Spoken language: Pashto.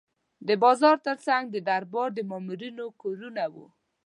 د بازار ترڅنګ د دربار د مامورینو کورونه وو.